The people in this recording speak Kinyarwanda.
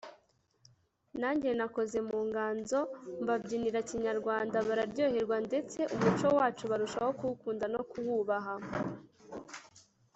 nanjye nakoze mu nganzo mbabyinira Kinyarwanda bararyoherwa ndetse umuco wacu barushaho kuwukunda no kuwubaha